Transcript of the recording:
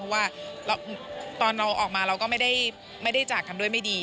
เพราะว่าตอนเราออกมาเราก็ไม่ได้จากทำด้วยไม่ดี